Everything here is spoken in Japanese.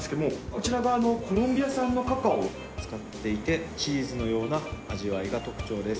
こちらがコロンビア産のカカオを使っていてチーズのような味わいが特徴です。